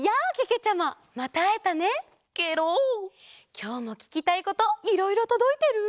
きょうもききたいこといろいろとどいてる？